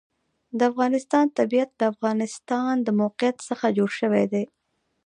د افغانستان طبیعت له د افغانستان د موقعیت څخه جوړ شوی دی.